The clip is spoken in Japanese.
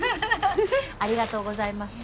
ありがとうございます。